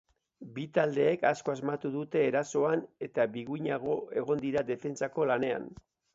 Bi taldeek asko asmatu dute erasoan eta biguinago egon dira defentsako lanean.